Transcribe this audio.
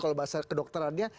kalau bahasa kedokterannya